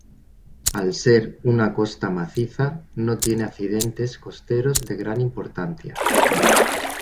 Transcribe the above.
Al ser una costa maciza, no tiene accidentes costeros de gran importancia.